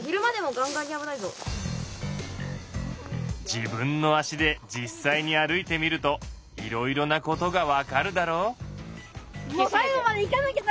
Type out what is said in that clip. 自分の足で実際に歩いてみるといろいろなことが分かるだろう？